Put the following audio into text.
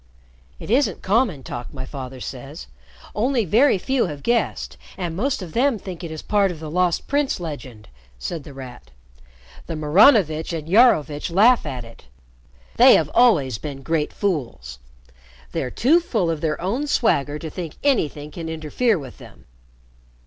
"It isn't common talk, my father says. Only very few have guessed, and most of them think it is part of the Lost Prince legend," said The Rat. "The Maranovitch and Iarovitch laugh at it. They have always been great fools. They're too full of their own swagger to think anything can interfere with them."